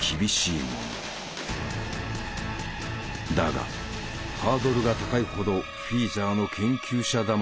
だがハードルが高いほどフィーザーの研究者魂に火がついた。